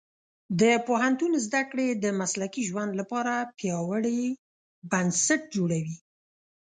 د پوهنتون زده کړې د مسلکي ژوند لپاره پیاوړي بنسټ جوړوي.